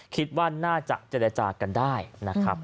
คิดว่าน่าจะเจรจากันได้นะครับ